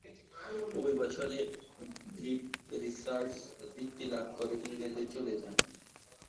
ঐ বছরে Viv Richards বৃত্তি লাভ করে ইংল্যান্ডে চলে যান।